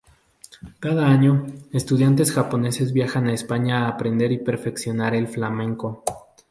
Cada año, estudiantes japoneses viajan a España a aprender y perfeccionar el flamenco.